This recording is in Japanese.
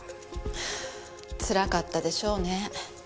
つらかったでしょうね。